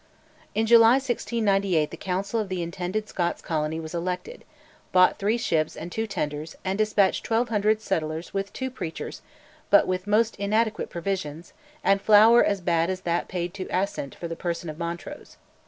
In July 1698 the Council of the intended Scots colony was elected, bought three ships and two tenders, and despatched 1200 settlers with two preachers, but with most inadequate provisions, and flour as bad as that paid to Assynt for the person of Montrose.